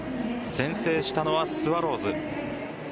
先制したのはスワローズ。